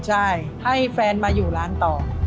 ใช่ให้แฟนมาอยู่ร้านต่อ